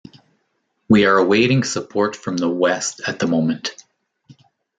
We are awaiting support from the West at the moment.